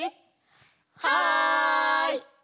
はい！